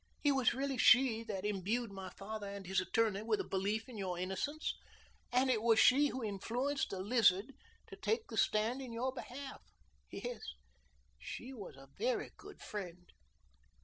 It was really she that imbued my father and his attorney with a belief in your innocence, and it was she who influenced the Lizard to take the stand in your behalf. Yes, she was a very good friend."